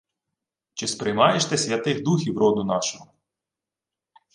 — Чи сприймаєш ти святих духів роду нашого?